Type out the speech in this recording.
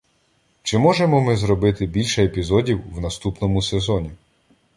Чи можемо ми зробити більше епізодів в наступному сезоні?